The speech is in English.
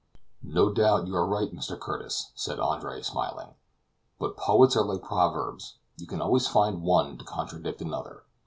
"No doubt you are right, Mr. Curtis," said Andre, smiling, "but poets are like proverbs; you can always find one to contradict another.